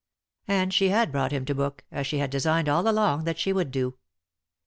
And she had brought him to book, as she had designed all along that she would do.